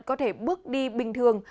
có thể bước đi bình thường